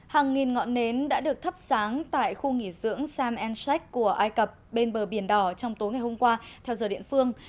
hàng nghìn ngọn nến đã được thắp sáng tại khu nghỉ dưỡng sam enschek của ai cập bên bờ biển đỏ trong tối hôm qua theo giờ điện phương